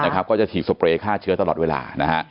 ก็จะถีบสปร่อยฆ่าเชื้อตลอดเวลา